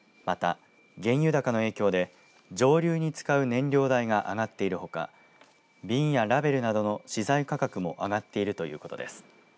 また、原油高の影響で蒸留に使う燃料代が上がっているほか瓶やラベルなどの資材価格も上がっているということです。